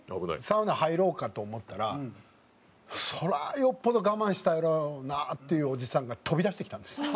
サウナ入ろうかと思ったらそらあよっぽど我慢したやろうなっていうおじさんが飛び出してきたんですよ。